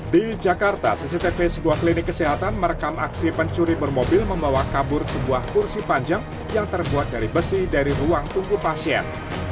di jakarta cctv sebuah klinik kesehatan merekam aksi pencuri bermobil membawa kabur sebuah kursi panjang yang terbuat dari besi dari ruang tunggu pasien